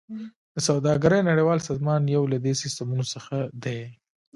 د سوداګرۍ نړیوال سازمان یو له دې سیستمونو څخه دی